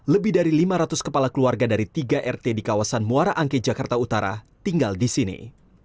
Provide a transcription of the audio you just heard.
lebih dari lima ratus kepala keluarga dari tiga rt di kawasan muara angke jakarta utara tinggal di sini